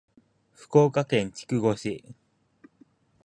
福岡県筑後市